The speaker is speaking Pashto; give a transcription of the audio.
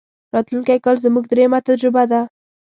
راتلونکی کال زموږ درېمه تجربه ده.